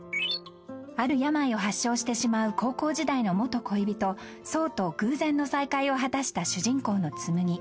［ある病を発症してしまう高校時代の元恋人想と偶然の再会を果たした主人公の紬］